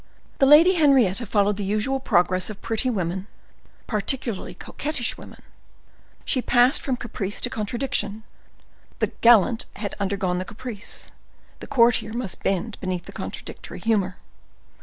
The Lady Henrietta followed the usual progress of pretty women, particularly coquettish women; she passed from caprice to contradiction;—the gallant had undergone the caprice, the courtier must bend beneath the contradictory humor.